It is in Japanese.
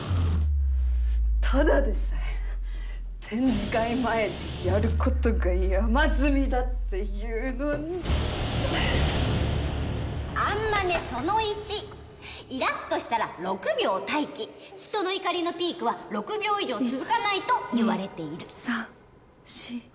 ただでさえ展示会前でやることが山積みだっていうのにアンマネその１イラッとしたら６秒待機人の怒りのピークは６秒以上続かない